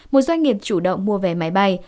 một doanh nghiệp chủ động mua vé máy bay